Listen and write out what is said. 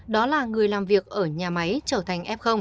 đó là người làm việc ở nhà máy trở thành f